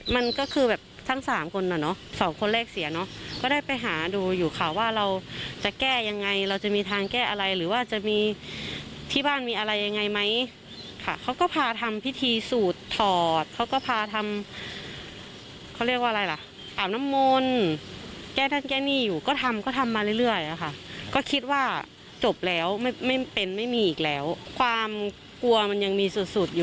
มันก็คือแบบทั้งสามคนอ่ะเนอะสองคนแรกเสียเนาะก็ได้ไปหาดูอยู่ค่ะว่าเราจะแก้ยังไงเราจะมีทางแก้อะไรหรือว่าจะมีที่บ้านมีอะไรยังไงไหมค่ะเขาก็พาทำพิธีสูดถอดเขาก็พาทำเขาเรียกว่าอะไรล่ะอาบน้ำมนต์แก้ท่านแก้หนี้อยู่ก็ทำก็ทำมาเรื่อยอะค่ะก็คิดว่าจบแล้วไม่ไม่เป็นไม่มีอีกแล้วความกลัวมันยังมีสุดสุดอยู่